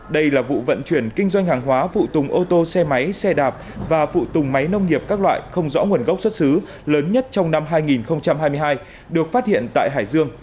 đây là vụ vận chuyển kinh doanh hàng hóa phụ tùng ô tô xe máy xe đạp và phụ tùng máy nông nghiệp các loại không rõ nguồn gốc xuất xứ lớn nhất trong năm hai nghìn hai mươi hai được phát hiện tại hải dương